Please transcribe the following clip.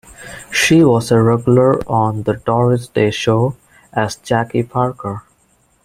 She was a regular on "The Doris Day Show" as Jackie Parker.